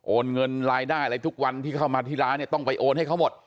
เงินรายได้อะไรทุกวันที่เข้ามาที่ร้านเนี่ยต้องไปโอนให้เขาหมด